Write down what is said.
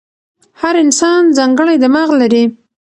هر انسان ځانګړی دماغ لري.